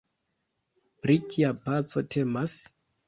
Pri kia paco temas?